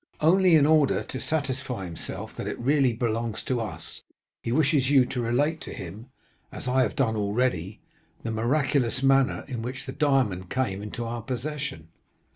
Only, in order to satisfy himself that it really belongs to us, he wishes you to relate to him, as I have done already, the miraculous manner in which the diamond came into our possession.